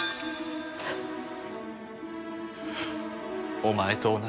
お前と同じだ。